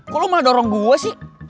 kok lo mah dorong gue sih